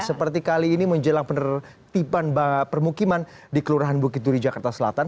seperti kali ini menjelang penertiban permukiman di kelurahan bukit duri jakarta selatan